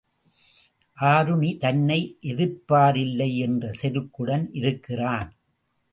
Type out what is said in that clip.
ஆருணி தன்னை எதிர்ப்பாரில்லை என்ற செருக்குடன் இருக்கிறான்.